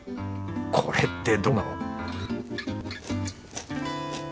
これってどうなの？